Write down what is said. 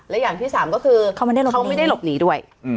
และอย่างที่สามก็คือเขาไม่ได้หลบหนีด้วย